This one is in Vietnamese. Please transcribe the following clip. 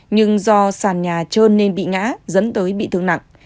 nhưng do sàn nhà trơn nên bị ngã dẫn tới bị thương nặng